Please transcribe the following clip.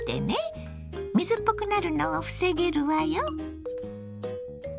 水っぽくなるのを防げるわよ。